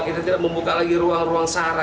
kita tidak membuka lagi ruang ruang sarah